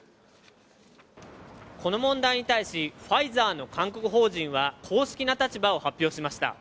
この問題に対し、ファイザーの韓国法人は公式な立場を発表しました。